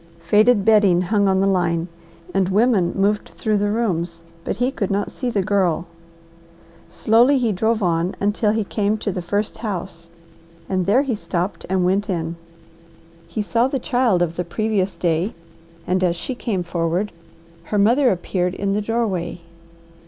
Faded bedding hung on the line and women moved through the rooms, but he could not see the Girl. Slowly he drove on until he came to the first house, and there he stopped and went in. He saw the child of the previous day, and as she came forward her mother appeared in the doorway.